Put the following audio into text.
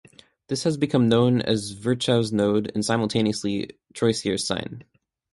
This has become known as Virchow's node and simultaneously Troisier's sign.